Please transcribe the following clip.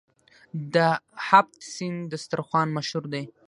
د هفت سین دسترخان مشهور دی.